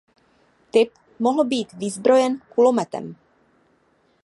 Typ mohl být vyzbrojen kulometem.